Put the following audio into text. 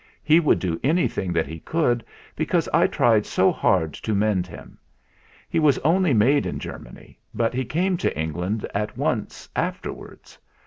"He would do anything that he could, because I tried so hard to mend him. He was only made in Germany, but he came to England at once afterwards.